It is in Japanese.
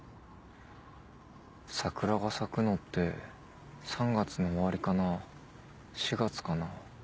桜が咲くのって３月の終わりかな４月かな。